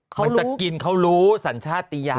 มันจะกินเขารู้สัญชาติยา